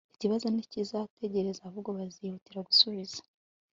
ikibazo ntikizategereza ahubwo bazihutira gusubiza